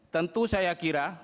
tentu saya kira